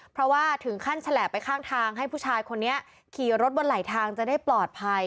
เพราะว่าถึงขั้นแฉแหละไปข้างทางให้ผู้ชายคนนี้ขี่รถบนไหลทางจะได้ปลอดภัย